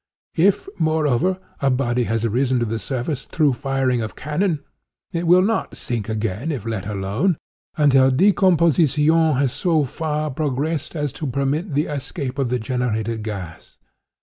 If, moreover, a body has risen to the surface through firing of cannon, it will not 'sink again if let alone,' until decomposition has so far progressed as to permit the escape of the generated gas.